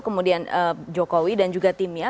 kemudian jokowi dan juga timnya